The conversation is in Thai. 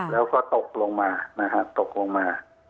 แล้วก็ตกลงมานะครับตกลงมา